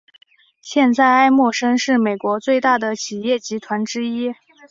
现在艾默生是美国最大的企业集团之一。